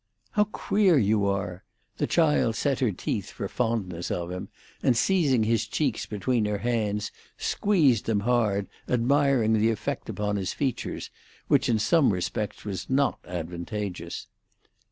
"How queer you are!" The child set her teeth for fondness of him, and seizing his cheeks between her hands, squeezed them hard, admiring the effect upon his features, which in some respects was not advantageous.